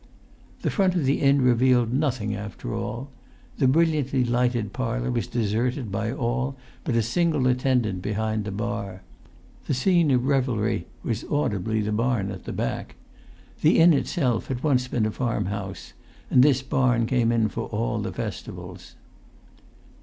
The front of the inn revealed nothing after all. The brilliantly lighted parlour was deserted by all but a single attendant behind the bar; the scene of revelry was audibly the barn at the back. The inn itself had[Pg 195] once been a farm house, and this barn came in for all the festivals.